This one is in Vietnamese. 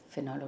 phải nói là